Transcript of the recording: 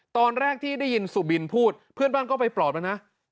ตอนแรกที่ได้ยินสุบินพูดเพื่อนบ้านก็ไปปลอบแล้วนะ